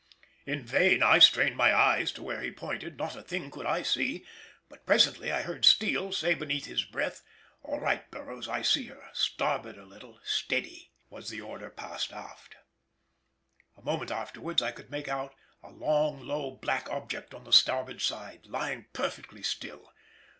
In vain I strained my eyes to where he pointed, not a thing could I see; but presently I heard Steele say beneath his breath, "All right, Burroughs, I see her. Starboard a little, steady!" was the order passed aft. A moment afterwards I could make out a long low black object on our starboard side, lying perfectly still.